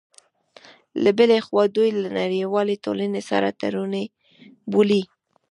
له بلې خوا، دوی له نړیوالې ټولنې سره تړوني بولي